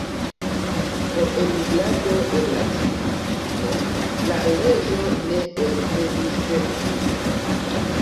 Por enmigrado el Latina Ameriko, la leĝo ne entenis limigon.